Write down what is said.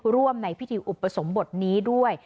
ร่วมในพิธีอุปสมบทนี้ด้วย